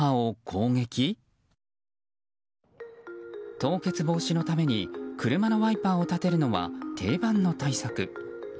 凍結防止のために車のワイパーを立てるのは定番の対策。